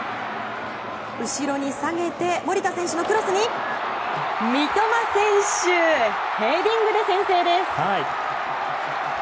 後ろに下げて守田選手のクロスに三笘選手のヘディングで先制です！